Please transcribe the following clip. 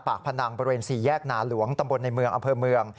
พนังบริเวณ๔แยกนาหลวงตำบลในเมืองอำเภอเมือง